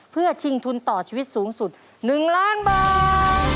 เพื่อชิงทุนต่อชีวิตสูงสุด๑ล้านบาท